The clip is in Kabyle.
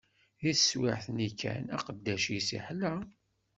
Di teswiɛt-nni kan, aqeddac-is iḥla.